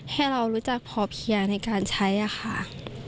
ให้เรารู้จักพอเพียงในการใช้ค่ะ